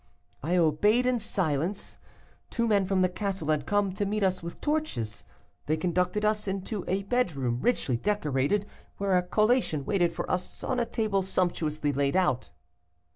I obeyed in silence. Two men from the castle had come to meet us with torches; they conducted us into a bedroom richly decorated, where a collation waited for us on a table sumptuously laid out.